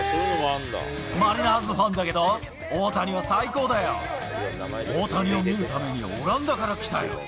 マリナーズファンだけど、大谷を見るために、オランダから来たよ。